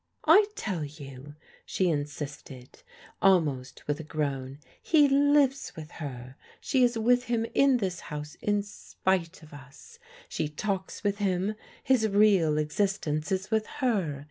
"I tell you," she insisted, almost with a groan, "he lives with her. She is with him in this house in spite of us; she talks with him; his real existence is with her.